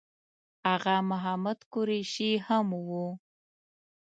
آغا محمد قریشي هم و.